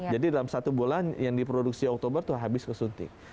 jadi dalam satu bulan yang diproduksi oktober itu habis kesuntik